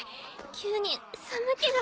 急に寒気が。